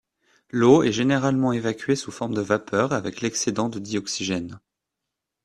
L'eau est généralement évacuée sous forme de vapeur avec l'excédent de dioxygène.